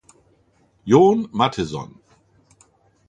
John Matheson".